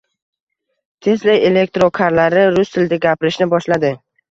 Tesla elektrokarlari rus tilida “gapirishni” boshladi